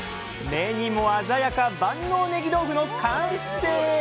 目にも鮮やか「万能ねぎ豆腐」の完成！